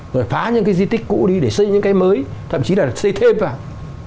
rồi phá những cái di tích cũ đi để xây những cái mới thậm chí là xây thêm vào